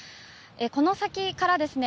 この先からですね